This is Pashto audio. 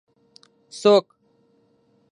څوک